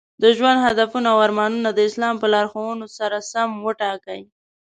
د ژوند هدفونه او ارمانونه د اسلام په لارښوونو سره سم وټاکئ.